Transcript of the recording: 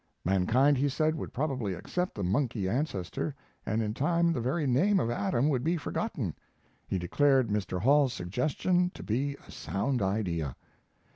Mankind, he said, would probably accept the monkey ancestor, and in time the very name of Adam would be forgotten. He declared Mr. Hall's suggestion to be a sound idea.